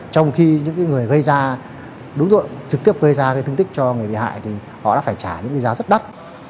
trong khi những người gây ra đúng rồi trực tiếp gây ra thương tích cho người bị hại thì họ đã phải trả những gây ra rất đắt